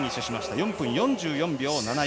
４分４４秒７４。